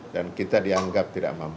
dan kita dianggap tidak mampu